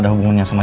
dia bisa sembuh